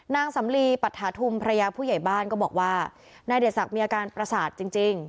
นางสำลีปัตถาธุมภรรยาผู้ใหญ่บ้านก็บอกว่านายเดชศักดิ์มีอาการประสาทจริงจริง